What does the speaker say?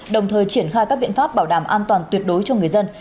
đồng thời triển khai các biện pháp bảo đảm an toàn tuyệt đối cho người dân